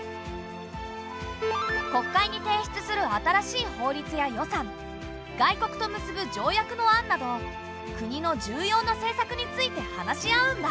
国会に提出する新しい法律や予算外国と結ぶ条約の案など国の重要な政策について話し合うんだ。